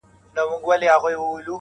له څپو څخه د امن و بېړۍ ته!.